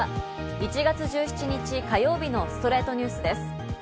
１月１７日、火曜日の『ストレイトニュース』です。